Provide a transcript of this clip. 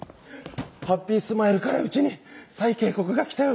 ハッピースマイルからうちに再警告が来たようです。